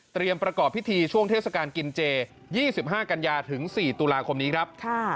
ประกอบพิธีช่วงเทศกาลกินเจ๒๕กันยาถึง๔ตุลาคมนี้ครับ